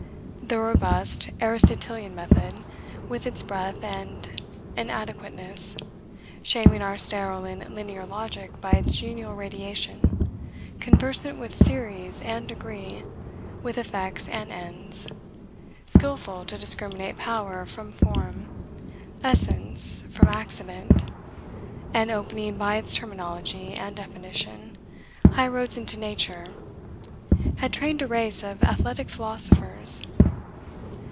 The robust Aristotelian method, with its breadth and adequateness, shaming our sterile and linear logic by its genial radiation, conversant with series and degree, with effects and ends, skilful to discriminate power from form, essence from accident, and opening by its terminology and definition, high roads into nature, had trained a race of athletic philosophers.